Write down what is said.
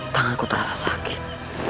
tanganku terasa sakit